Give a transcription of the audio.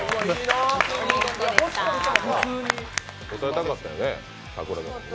答えたかったよね、櫻坂。